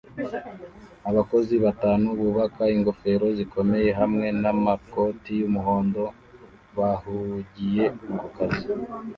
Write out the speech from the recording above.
Abakozi batanu bubaka ingofero zikomeye hamwe namakoti yumuhondo bahugiye kukazi